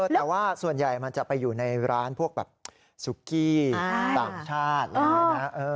แต่ว่าส่วนใหญ่มันจะไปอยู่ในร้านพวกสุกี้ต่างชาติ